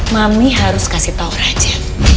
mami harus kasih tau raja